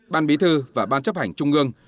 ban bí thư và ban chấp hành trung ương